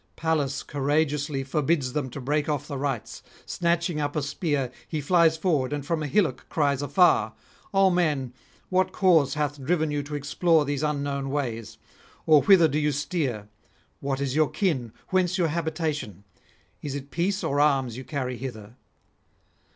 Pallas courageously forbids them to break off the rites; snatching up a spear, he flies forward, and from a hillock cries afar: 'O men, what cause hath driven you to explore these unknown ways? or whither do you steer? What is your kin, whence your habitation? Is it peace or arms you carry hither?'